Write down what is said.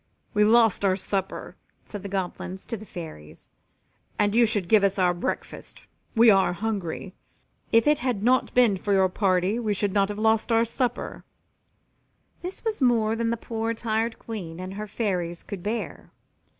"We lost our supper," said the Goblins to the Fairies, "and you should give us our breakfast. We are hungry. If it had not been for your party we should not have lost our supper." This was more than the poor tired Queen and her Fairies could bear.